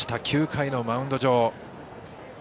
９回のマウンド上。